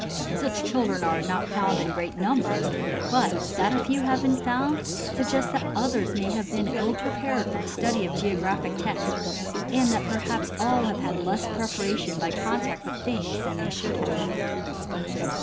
Such children are not found in great numbers, but that a few have been found suggests that others may have been ill prepared for the study of geographic text, and that perhaps all have had less preparation by contact with things than they should have had.